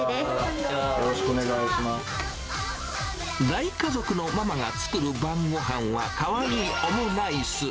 大家族のママが作る晩ごはんは、かわいいオムライス。